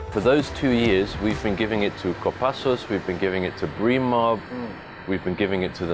kepala pemerintah kepala pemerintah kepala pemerintah